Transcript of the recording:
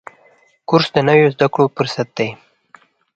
کورس د نویو زده کړو فرصت دی.